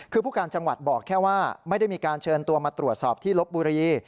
คือผู้การจังหวัดบอกแค่ว่าไม่ได้มีการเชิญตัวมาตรวจสอบที่ลบบุรี